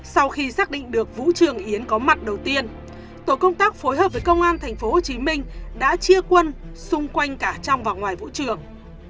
sau khi xác định được vũ trường yến có mặt đầu tiên tổ công tác phối hợp với công an thành phố hồ chí minh đã chia quân xung quanh cả trong và ngoài vũ trường